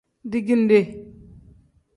Dijinde.